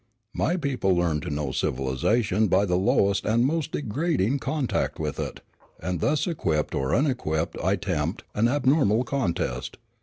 My people learn to know civilization by the lowest and most degrading contact with it, and thus equipped or unequipped I tempt, an abnormal contest.